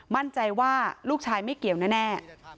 มั่นใจว่าลูกชายไม่เกี่ยวแน่